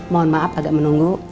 mohon maaf agak menunggu